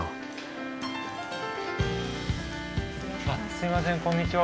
すいませんこんにちは。